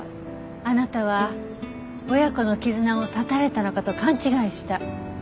あなたは親子の絆を断たれたのかと勘違いした。